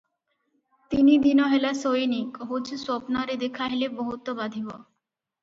ତିନିଦିନ ହେଲା ଶୋଇନି କହୁଛି ସ୍ୱପ୍ନରେ ଦେଖାହେଲେ ବହୁତ ବାଧିବ